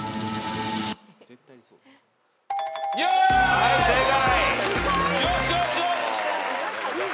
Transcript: はい正解。